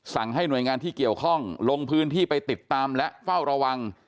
ให้หน่วยงานที่เกี่ยวข้องลงพื้นที่ไปติดตามและเฝ้าระวัง